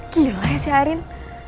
gila ya sih arin